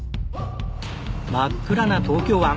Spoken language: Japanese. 真っ暗な東京湾。